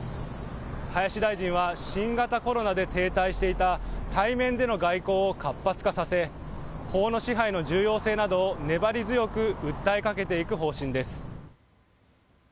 林大臣は新型コロナで停滞していた対面での外交を活発化させ、法の支配の重要性などを粘り強く訴えかけていく方針です。